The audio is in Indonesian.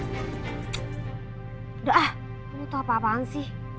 udah ah lu tuh apa apaan sih